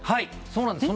そうなんです。